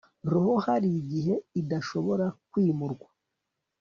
roho hari igihe idashobora kwimurwa